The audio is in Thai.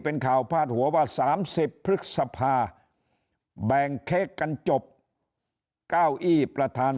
เป็นข่าวพาดหัวว่า๓๐พฤษภาแบ่งเค้กกันจบเก้าอี้ประธาน